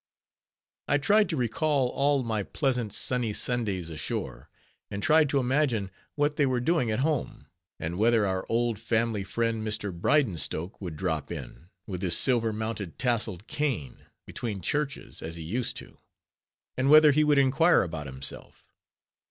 I tried to recall all my pleasant, sunny Sundays ashore; and tried to imagine what they were doing at home; and whether our old family friend, Mr. Bridenstoke, would drop in, with his silver mounted tasseled cane, between churches, as he used to; and whether he would inquire about myself.